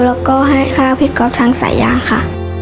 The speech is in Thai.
แล้วก็ให้ค่าพี่ก๊อฟทางสายาค่ะ